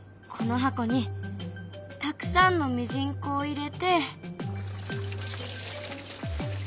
この箱にたくさんのミジンコを入れて。